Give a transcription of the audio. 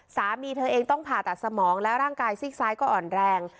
สามีเธอเองต้องผ่าตัดสมองและร่างกายซีกซ้ายก็อ่อนแรง